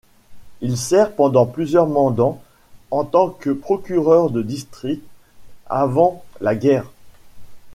Il sert pendant plusieurs mandants en tant que procureur de district avant la guerre.